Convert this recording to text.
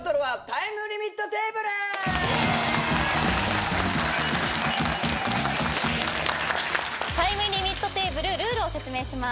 タイムリミットテーブルルールを説明します。